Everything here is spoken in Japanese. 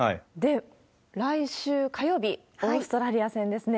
来週火曜日、オーストラリア戦ですね。